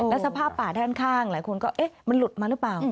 แล้วสภาพป่าด้านข้างหลายคนก็เอ๊ะมันหลุดมาหรือเปล่า